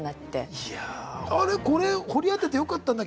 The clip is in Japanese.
いやああれっこれ掘り当ててよかったんだっけ？